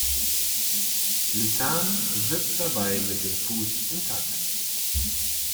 Lisann wippt dabei mit dem Fuß im Takt.